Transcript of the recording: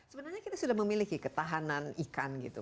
sebenarnya kita sudah memiliki ketahanan ikan gitu